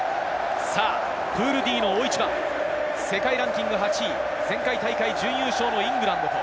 プールＤの大一番、世界ランキング８位、前回大会準優勝のイングランド。